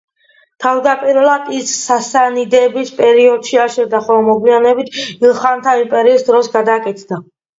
თავდაპირველად ის სასანიდების პერიოდში აშენდა, ხოლო მოგვიანებით, ილხანთა იმპერიის დროს გადაკეთდა.